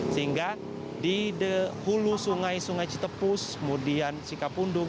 sehingga di hulu sungai cetepus kemudian cikapundung